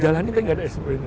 jalanin kita tidak ada sop